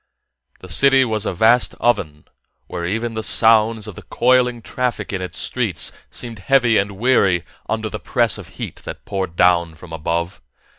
The city was a vast oven where even the sounds of the coiling traffic in its streets seemed heavy and weary under the press of heat that poured down from above.